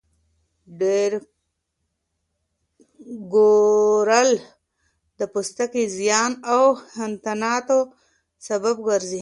ډېر ګرول د پوستکي زیان او انتاناتو سبب ګرځي.